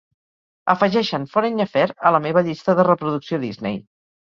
Afegeix "Foreign Affair" a la meva llista de reproducció Disney.